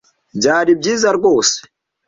Byari byiza rwose.